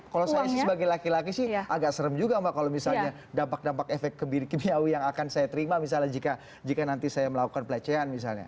kalau saya sih sebagai laki laki sih agak serem juga mbak kalau misalnya dampak dampak efek kebiri kimiawi yang akan saya terima misalnya jika nanti saya melakukan pelecehan misalnya